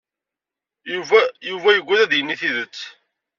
Yuba yuggad ad d-yini tidett.